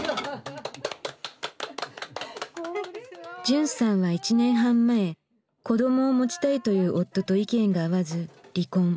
じゅんさんは１年半前子どもを持ちたいという夫と意見が合わず離婚。